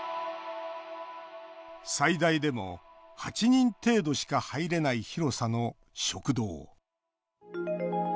最大でも８人程度しか入れない広さの食堂。